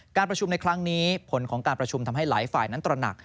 การประชุมในครั้งนี้ผลของการประชุมทำให้หลายฝ่ายนั้นตระหนัก